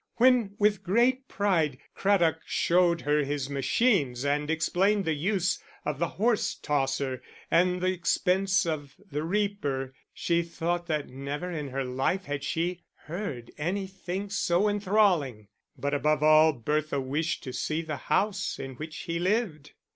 When, with great pride, Craddock showed her his machines and explained the use of the horse tosser and the expense of the reaper, she thought that never in her life had she heard anything so enthralling. But above all Bertha wished to see the house in which he lived.